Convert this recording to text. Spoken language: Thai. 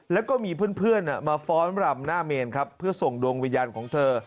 แล้วก็มีเพื่อนมาฟ้อนรำหน้าเมนครับเพื่อส่งดวงวิญญาณของเธอ